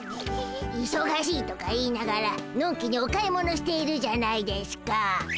いそがしいとか言いながらのんきにお買い物しているじゃないでしゅか。